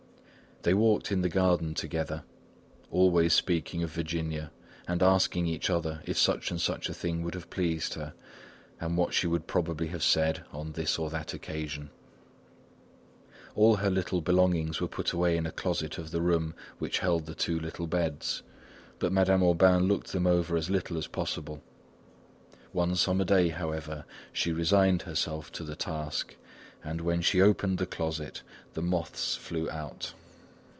They walked in the garden together, always speaking of Virginia, and asking each other if such and such a thing would have pleased her, and what she would probably have said on this or that occasion. All her little belongings were put away in a closet of the room which held the two little beds. But Madame Aubain looked them over as little as possible. One summer day, however, she resigned herself to the task and when she opened the closet the moths flew out.